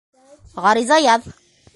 — Ғариза яҙ.